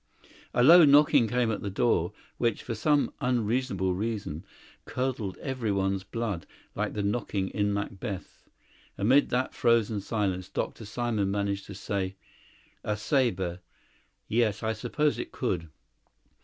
A low knocking came at the door, which, for some unreasonable reason, curdled everyone's blood like the knocking in Macbeth. Amid that frozen silence Dr. Simon managed to say: "A sabre yes, I suppose it could."